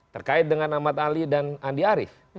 terkait dengan ahmad ali dan andi arief